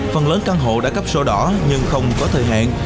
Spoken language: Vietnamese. phần lớn căn hộ đã cấp sổ đỏ nhưng không có thời hạn